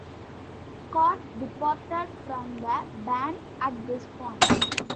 Cott departed from the band at this point.